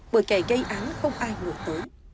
bởi kẻ gây án không ai ngủ tới